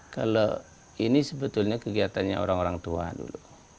kalau ini sebetulnya kegiatannya orang orang tua dulu